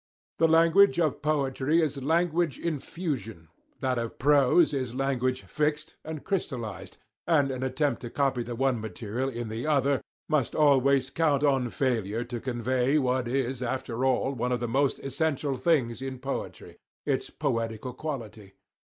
The language of poetry is language in fusion; that of prose is language fixed and crystallised; and an attempt to copy the one material in the other must always count on failure to convey what is, after all, one of the most essential things in poetry, its poetical quality.